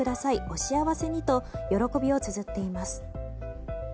お幸せにと喜びをつづっています。